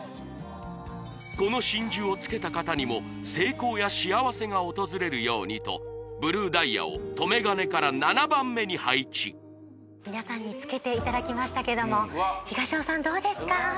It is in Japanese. この真珠をつけた方にも成功や幸せが訪れるようにとブルーダイヤを留め金から７番目に配置皆さんにつけていただきましたけども東尾さんどうですか？